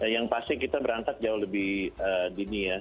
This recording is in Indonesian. yang pasti kita berangkat jauh lebih dini ya